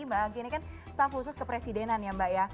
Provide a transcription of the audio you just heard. mbak angky ini kan staf khusus kepresidenan ya mbak ya